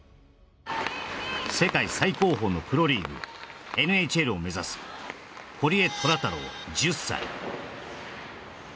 世界最高峰のプロリーグＮＨＬを目指す堀江虎太郎